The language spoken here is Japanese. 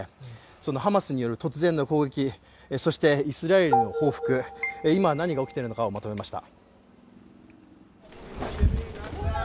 そのハマスによる突然の攻撃、そしてイスラエルの報復、今何が起きているのかをまとめました。